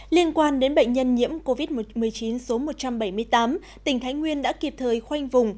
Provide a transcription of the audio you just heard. liên quan đến bệnh nhân nhiễm covid một mươi chín số một trăm bảy mươi tám tỉnh thái nguyên đã kịp thời khoanh vùng